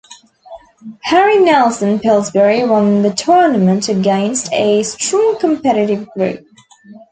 Harry Nelson Pillsbury won the tournament against a strong competitive group.